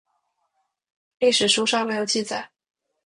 李历史书上没有记载。